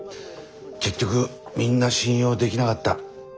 結局みんな信用できなかった。